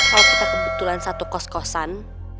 kalau kita kebetulan satu kos kosan